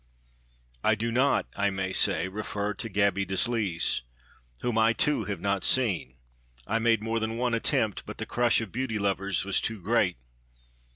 (I do not, I may say, refer to Gaby Deslys, whom I, too, have not seen. I made more than one attempt, but the crush of beauty lovers was too great.)